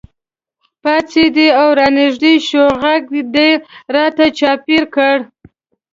پاڅېدې او رانږدې شوې غېږ دې راته چاپېره کړه.